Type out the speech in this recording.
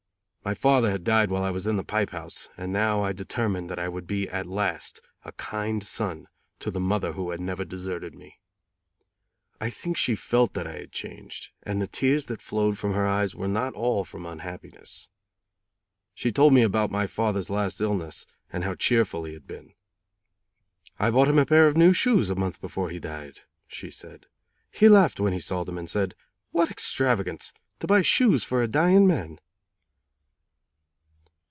My father had died while I was in the pipe house, and now I determined that I would be at last a kind son to the mother who had never deserted me. I think she felt that I had changed and the tears that flowed from her eyes were not all from unhappiness. She told me about my father's last illness, and how cheerful he had been. "I bought him a pair of new shoes a month before he died," she said. "He laughed when he saw them and said: 'What extravagance! To buy shoes for a dying man!'"